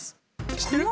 知ってる？